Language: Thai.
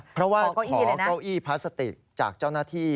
เพราะว่าขอเก้าอี้พลาสติกจากเจ้าหน้าที่